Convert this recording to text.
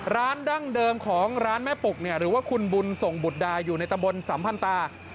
ดั้งเดิมของร้านแม่ปุกหรือว่าคุณบุญส่งบุตรดาอยู่ในตะบนสัมพันธา